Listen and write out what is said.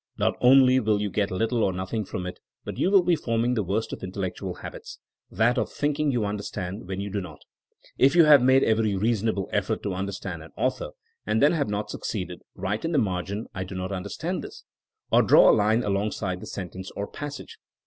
Not only will you get little or nothing from it but you will be forming the worst of intel lectual habits — ^that of thinking you understand when you do not. If you have made every rea sonable effort to understand an author and then have not succeeded, write in the margin ^*I do not understand this,'' or draw a line alongside the sentence or passage.